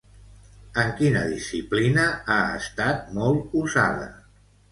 En quina disciplina ha estat molt usada?